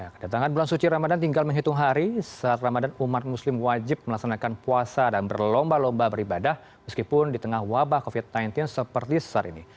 kedatangan bulan suci ramadan tinggal menghitung hari saat ramadan umat muslim wajib melaksanakan puasa dan berlomba lomba beribadah meskipun di tengah wabah covid sembilan belas seperti saat ini